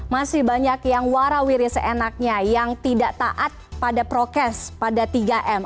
masih banyak yang warawiri seenaknya yang tidak taat pada prokes pada tiga m